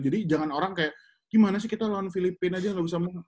jadi jangan orang kayak gimana sih kita lawan filipina aja nggak bisa